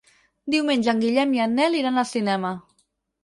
Diumenge en Guillem i en Nel iran al cinema.